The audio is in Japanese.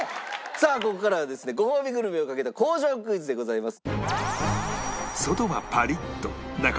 さあここからはですねごほうびグルメをかけた工場クイズでございます。